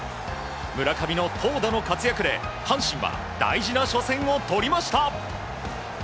村上の投打の活躍で阪神は大事な初戦を取りました！